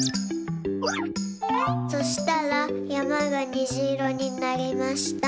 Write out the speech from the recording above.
そしたらやまがにじいろになりました。